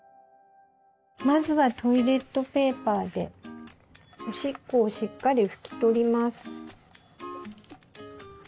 まずはトイレットペーパーでおしっこをしっかり拭き取ります。